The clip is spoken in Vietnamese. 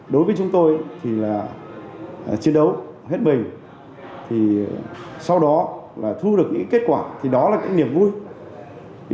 đối với chúng tôi chiến đấu hết bình sau đó thu được những kết quả đó là niềm vui